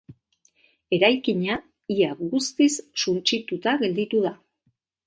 Eraikina ia guztiz suntsituta gelditu da.